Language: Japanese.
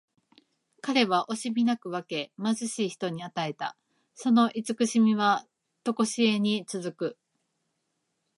彼は惜しみなく分け、貧しい人に与えた。その慈しみはとこしえに続く。